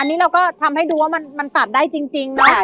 อันนี้เราก็ทำให้ดูว่ามันตัดได้จริงนะ